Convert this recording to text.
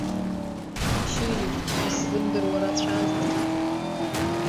Шьири исзымдыруа рацәазҭгьы…